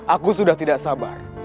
aku sudah tidak sabar